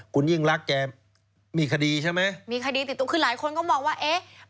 คุณยิ่งรักแกมีคดีใช่ไหมมีคดีติดตัวคือหลายคนก็มองว่าเอ๊ะ